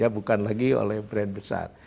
bukan lagi oleh brand besar